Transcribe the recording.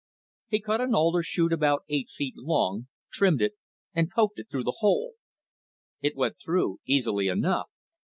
He cut an alder shoot about eight feet long, trimmed it, and poked it through the hole. It went through easily enough.